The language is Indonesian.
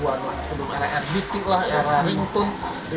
sebelum era rbt lah era ringtone di dua ribu an